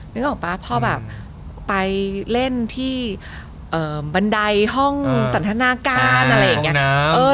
นึกออกป่ะพ่อแบบไปเล่นที่บันไดห้องสันทนาการอะไรอย่างนี้